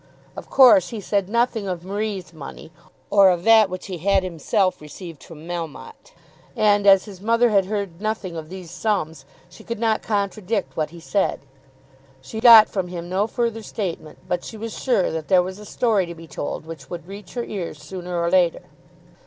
Of course he said nothing of Marie's money, or of that which he had himself received from Melmotte. And as his mother had heard nothing of these sums she could not contradict what he said. She got from him no further statement, but she was sure that there was a story to be told which would reach her ears sooner or later.